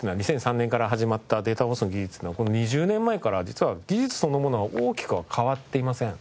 ２００３年から始まったデータ放送の技術っていうのは２０年前から実は技術そのものは大きくは変わっていません。